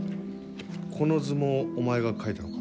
この図もお前が描いたのか？